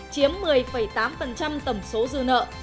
chiếm một mươi tám tổng số dư nợ